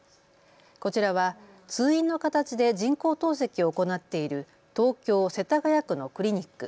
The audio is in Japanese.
こちらは通院の形で人工透析を行っている東京世田谷区のクリニック。